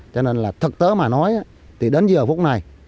cho nên là thực tế mà nói thì đến giờ phút này